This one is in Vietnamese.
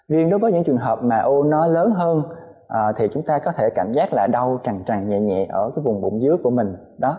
riêng đối với những trường hợp mà u nó lớn hơn thì chúng ta có thể cảm giác là đau tràn tràn nhẹ nhẹ ở vùng bụng dưới của mình